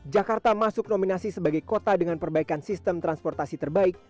jakarta masuk nominasi sebagai kota dengan perbaikan sistem transportasi terbaik